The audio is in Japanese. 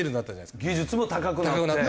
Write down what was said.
技術も高くなって。